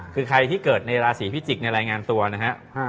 คือใครที่เกิดในราศีพิจิกษ์ในรายงานตัวนะฮะ